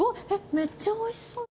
めっちゃおいしそう。